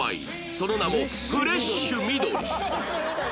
その名もフレッシュみどり